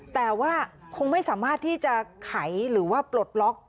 แต่ว่าคงไม่สามารถที่จะไขหรือว่าปลดล็อก